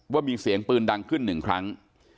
ว่ามีเสียงปืนดังขึ้นหนึ่งครั้ง